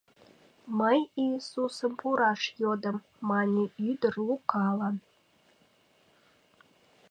«Мый Иисусым пураш йодым», — мане ӱдыр Лукалан.